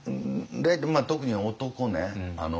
特に男ね